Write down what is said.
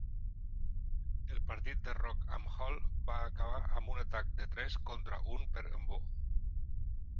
El partit de Rock amb Hall va acabar amb un atac de tres contra un per nWo.